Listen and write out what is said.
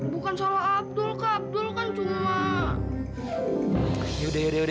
bukan salah abdul kak abdul kan cuma